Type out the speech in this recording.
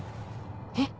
えっ？